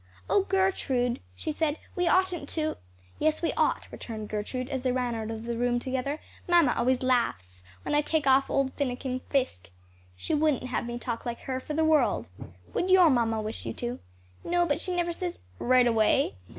"Oh, Gertrude," she said, "we oughtn't to " "Yes, we ought," returned Gertrude, as they ran out of the room together; "mamma always laughs when I take off old finikin Fisk. She wouldn't have me talk like her for the world. Would your mamma wish you to?" "No, but she never says " "Right away?